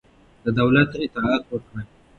د دولت اطاعت وکړئ.